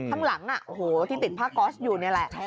ทางหลังที่ติดพระออการินอยู่นี่แหละ